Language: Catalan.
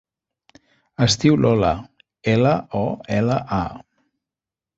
Es diu Lola: ela, o, ela, a.